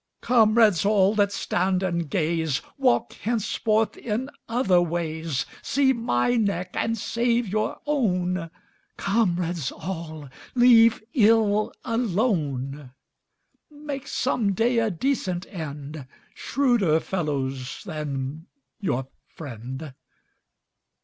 "Comrades all, that stand and gaze, Walk henceforth in other ways; See my neck and save your own: Comrades all, leave ill alone." "Make some day a decent end, Shrewder fellows than your friend.